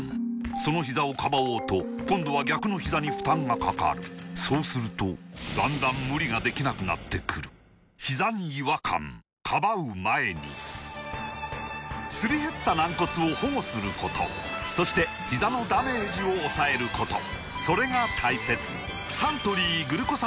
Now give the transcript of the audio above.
そのひざをかばおうと今度は逆のひざに負担がかかるそうするとだんだん無理ができなくなってくるすり減った軟骨を保護することそしてひざのダメージを抑えることそれが大切サントリー「グルコサミンアクティブ」